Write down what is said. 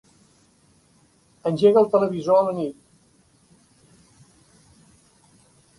Engega el televisor a la nit.